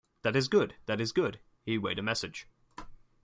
“That is good, that is good.” He weighed a message.